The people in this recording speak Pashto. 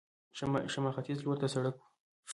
شمال ختیځ لور ته سړک و.